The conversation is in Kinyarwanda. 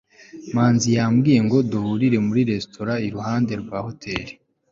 manzi yambwiye ngo duhurire muri resitora iruhande rwa hoteri